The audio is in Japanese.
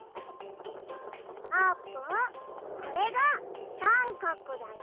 あーぷんこれがサンカクだよ。